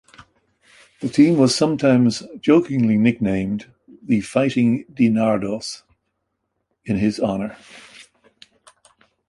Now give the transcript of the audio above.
The team was sometimes jokingly nicknamed "The Fighting DiNardos" in his honor.